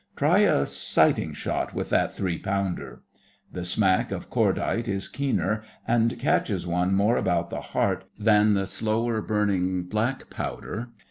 'Try a sighting shot with that three pounder!' The smack of cordite is keener, and catches one more about the heart, than the slower burning black powder.